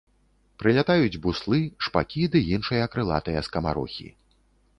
Прылятаюць буслы, шпакі ды іншыя крылатыя скамарохі.